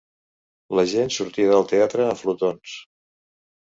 La gent sortia del teatre a flotons.